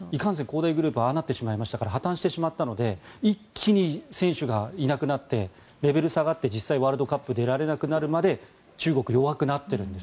大グループは破たんしてしまったので一気に選手がいなくなってレベルが下がって実際、ワールドカップに出られなくなるまで中国は弱くなっているんです。